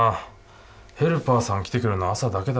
ヘルパーさん来てくれるの朝だけだしな。